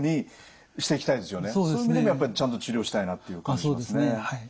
そういう意味でもやっぱりちゃんと治療したいなっていう感じしますね。